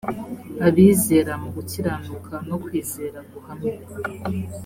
abizera mu gukiranuka no kwizera guhamye